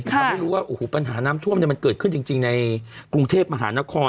ความไม่รู้ว่าอูหูปัญหาน้ำท่วมเนี่ยมันเกิดขึ้นจริงในกรุงเทพมหานคร